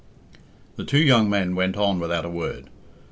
The two young men went on without a word.